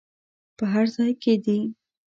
په هر ځای کې دې.